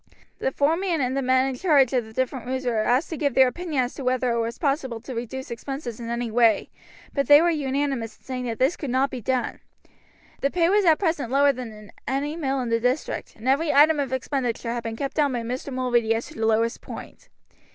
The foreman and the men in charge of the different rooms were asked to give their opinion as to whether it was possible to reduce expenses in any way, but they were unanimous in saying that this could not be done. The pay was at present lower than in any other mill in the district, and every item of expenditure had been kept down by Mr. Mulready to the lowest point.